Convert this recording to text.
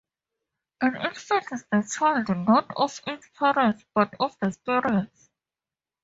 An infant is the child, not of its parents, but of the spirits.